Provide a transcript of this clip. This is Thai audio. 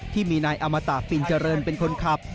ที่มีนายอมตะฟินเจริญเป็นคนขับ